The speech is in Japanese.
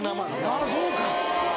あそうか。